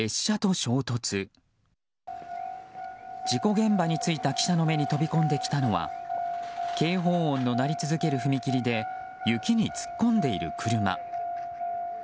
事故現場に着いた記者の目に飛び込んできたのは警報音の鳴り続ける踏切で雪に突っ込んでいる車。